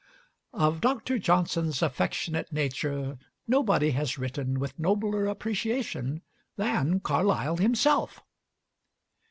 Of Dr. Johnson's affectionate nature nobody has written with nobler appreciation than Carlyle himself.